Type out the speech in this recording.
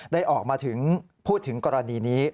ได้ออกมาพูดถึงกรณีนี้